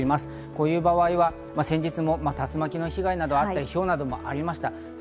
こういう場合は先日も竜巻の被害などがあったり、ひょうなどの被害がありました。